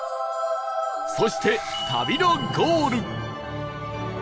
そして旅のゴール